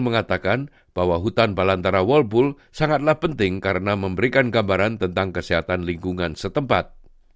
mengatakan bahwa hutan balantara walbull sangatlah penting karena memberikan gambaran tentang kesehatan lingkungan setempat